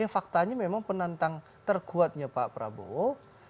faktanya memang penantang terkuatnya pak prabowo